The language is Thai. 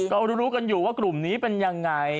ก็รู้กันอยู่ว่ากลุ่มนี้เป็นยังไง